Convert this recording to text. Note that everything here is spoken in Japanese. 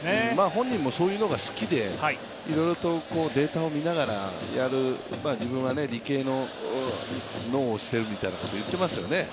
本人もそういうのが好きで、いろいろとデータを見ながらやる、自分は理系の脳をしてるみたいなことを言ってましたよね。